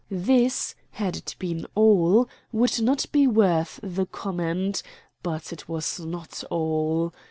This, had it been all, would not be worth the comment. But it was not all.